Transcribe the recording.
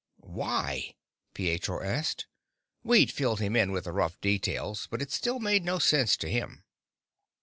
"Why?" Pietro asked. We'd filled him in with the rough details, but it still made no sense to him.